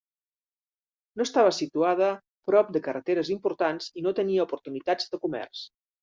No estava situada prop de carreteres importants i no tenia oportunitats de comerç.